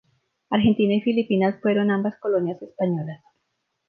Argentina y Filipinas fueron ambas colonias españolas.